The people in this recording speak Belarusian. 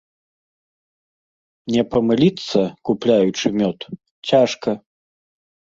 Не памыліцца, купляючы мёд, цяжка.